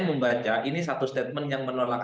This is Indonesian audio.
membaca ini satu statement yang menolak